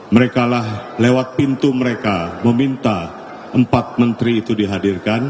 merekalah lewat pintu mereka meminta empat menteri itu dihadirkan